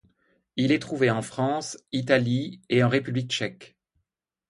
Il est trouvé en France, Italie et en République tchèque.